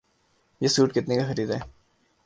یہ سوٹ کتنے کا خریدا ہے؟